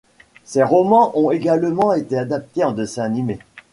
Ses romans ont également été adaptés en dessin animé.